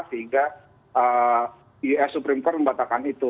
sehingga us supreme court membatalkan itu